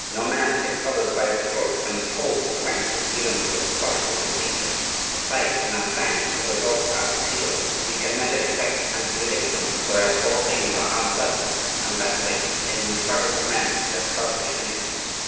No man takes others by the throat when his whole strength is given to a struggle with Nature. Besides, in our science results are perceivable; we can measure effects and predict them; whereas all things are uncertain and vacillating in the struggles of men and their selfish interests.